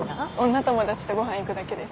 女友達とご飯行くだけです。